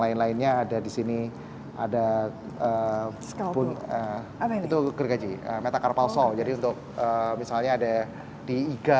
lain lainnya ada di sini ada pun itu gergaji metacarpal so jadi untuk misalnya ada diiga